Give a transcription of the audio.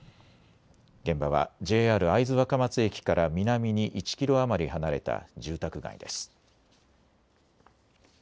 現場はＪＲ会津若松駅から南に１キロ余り離れた住宅街です。